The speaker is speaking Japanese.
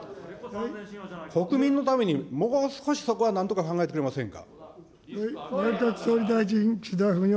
国民のためにもう少しそこはなんとか考えてくれませんか。